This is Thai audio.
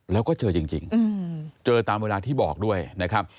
แล้วก็เจอจริงเจอตามเวลาที่บอกด้วยนะครับ